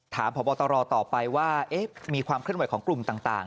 พบตรต่อไปว่ามีความเคลื่อนไหวของกลุ่มต่าง